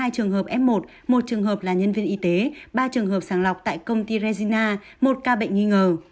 hai trường hợp f một một trường hợp là nhân viên y tế ba trường hợp sàng lọc tại công ty regina một ca bệnh nghi ngờ